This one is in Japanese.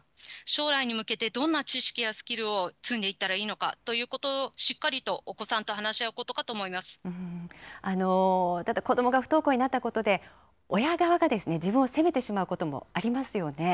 将来に向けてどんな知識やスキルを積んでいったらいいのかということを、しっかりとお子さんと話し合うことただ、子どもが不登校になったことで、親側がですね、自分を責めてしまうこともありますよね。